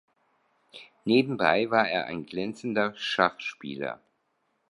Nebenbei war er ein glänzender Schachspieler.